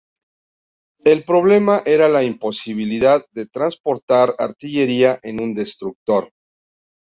El problema era la imposibilidad de trasportar artillería en un destructor.